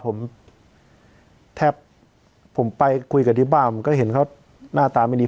ผมแทบผมไปคุยกับที่บ้านผมก็เห็นเขาหน้าตาไม่ดี